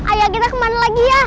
ayah kita kemana lagi ya